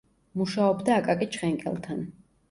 მუშაობდა აკაკი ჩხენკელთან.